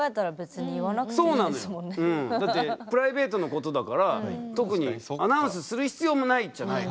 そうなのよだってプライベートのことだから特にアナウンスする必要もないっちゃない。